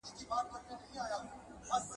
په بچو چي یې خوشاله زیږوه یې